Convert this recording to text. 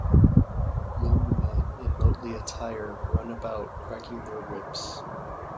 Young men in motley attire run about cracking their whips.